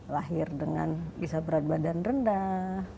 lahir dengan bisa berat badan rendah